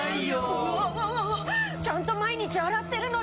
うわわわわちゃんと毎日洗ってるのに。